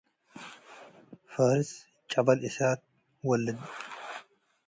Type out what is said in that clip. ፋርስ ጨበል እሳት ወልድ።